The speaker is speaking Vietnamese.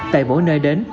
tại mỗi nơi đến